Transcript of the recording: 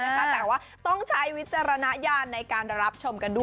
แต่ว่าต้องใช้วิจารณญาณในการรับชมกันด้วย